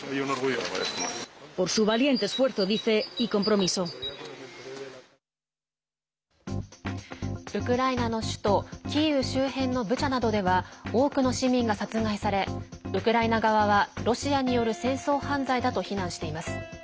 ウクライナの首都キーウ周辺のブチャなどでは多くの市民が殺害されウクライナ側はロシアによる戦争犯罪だと非難しています。